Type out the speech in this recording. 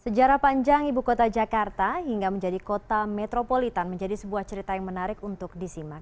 sejarah panjang ibu kota jakarta hingga menjadi kota metropolitan menjadi sebuah cerita yang menarik untuk disimak